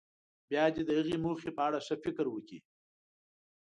بیا دې د هغې موخې په اړه ښه فکر وکړي.